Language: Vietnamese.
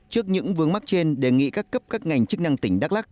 trước những vướng mắc trên đề nghị các cấp các ngành chức năng tỉnh đắk lắc